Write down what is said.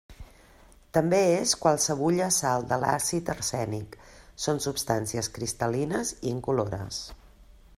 També és qualsevulla sal de l'àcid arsènic; són substàncies cristal·lines i incolores.